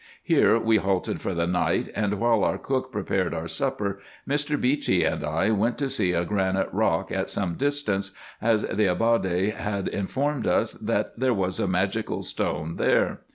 Here we halted for the night, and while our cook prepared our supper, Mr. Beechey and I went to see a granite rock at some distance, as the Ababde had informed us, that there was a magical stone there.